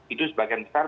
itu sebagian besar